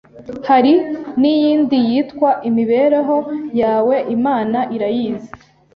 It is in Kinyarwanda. hari n’iyindi yitwa “imibereho yawe Imana irayizi’’